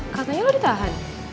katanya lo ditahan